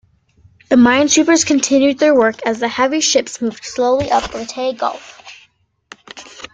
The minesweepers continued their work as the heavy ships moved slowly up Leyte Gulf.